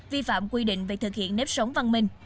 vi phạm quy định về thực hiện nếp sống văn minh